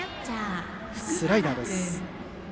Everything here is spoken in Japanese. スライダーでした。